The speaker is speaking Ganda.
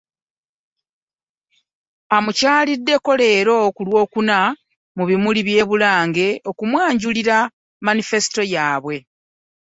Abamukyaliddeko leero ku Lwokuna mu bimuli bya Bulange okumwanjulira manifesito yaabwe